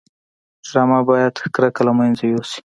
ډرامه باید کرکه له منځه یوسي